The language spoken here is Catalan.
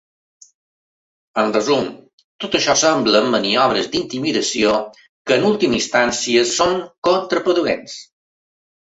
En resum, tot això semblen maniobres d’intimidació que en última instància són contraproduents.